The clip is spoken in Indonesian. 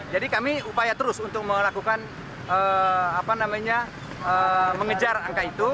jadi kami upaya terus untuk melakukan apa namanya mengejar angka itu